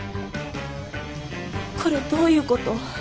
これどういうこと？